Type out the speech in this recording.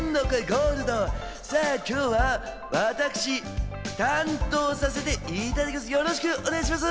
ゴールド、さぁ、今日は私、担当させていただきます。